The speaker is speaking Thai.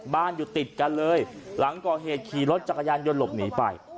อยู่ติดกันเลยหลังก่อเหตุขี่รถจักรยานยนต์หลบหนีไป